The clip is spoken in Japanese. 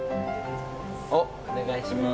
おっ、お願いします。